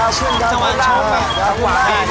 ยืมมือจริงแล้ว